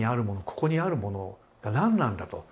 ここにあるものが何なんだと。